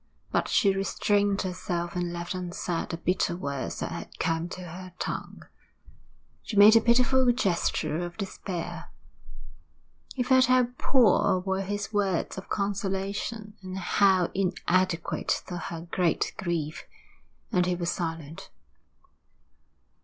But she restrained herself and left unsaid the bitter words that had come to her tongue. She made a pitiful gesture of despair. He felt how poor were his words of consolation, and how inadequate to her great grief, and he was silent.